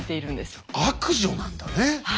「悪女」なんだね。